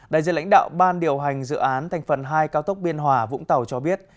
đại diện lãnh đạo ban điều hành dự án thành phần hai cao tốc biên hòa vũng tàu cho biết